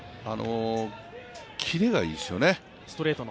切れがいいですよね。